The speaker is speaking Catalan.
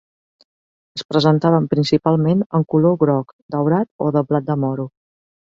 Es presentaven, principalment, en color groc, daurat o de blat de moro.